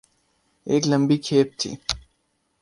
ایک لمبی کھیپ تھی۔